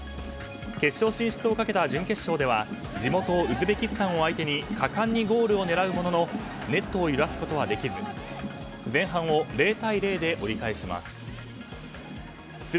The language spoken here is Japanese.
決勝進出をかけた準決勝では地元ウズベキスタンを相手に果敢にゴールを狙うもののネットを揺らすことはできず前半を０対０で折り返します。